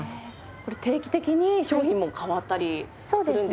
これ定期的に商品も変わったりするんですか？